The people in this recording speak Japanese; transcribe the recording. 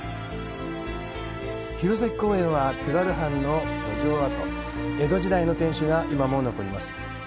弘前公園は津軽藩の居城跡、江戸時代の天守が今も残ります。